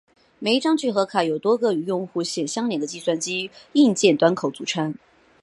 每一张聚合卡由多个与用户线相连的计算机硬件端口组成。